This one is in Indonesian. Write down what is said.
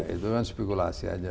itu kan spekulasi aja